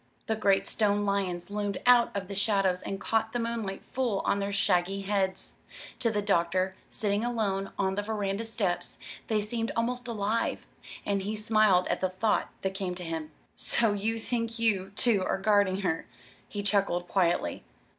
The great stone lions loomed out of the shadows and caught the moonlight full on their shaggy heads. To the doctor, sitting alone on the veranda steps, they seemed almost alive, and he smiled at the thought that came to him. "So you think you, too, are guarding her," he chuckled quietly.